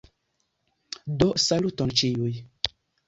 Do, saluton ĉiuj.